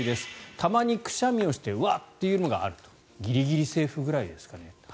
たまにくしゃみをしてあっ！というのがあるギリギリセーフくらいですかね。